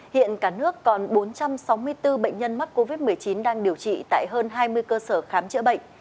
hiện cả nước còn bốn trăm sáu mươi bốn bệnh nhân mắc covid một mươi chín đang điều trị tại hơn hai mươi cơ sở khám chữa bệnh